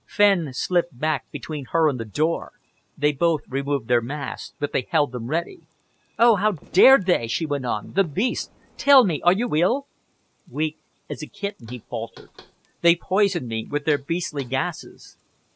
Fenn slipped back between her and the door. They both removed their masks, but they held them ready. "Oh, how dared they!" she went on. "The beasts! Tell me, are you ill?" "Weak as a kitten," he faltered. "They've poisoned me with their beastly gases."